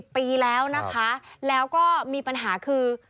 ปีแล้วนะคะแล้วก็มีปัญหาคือ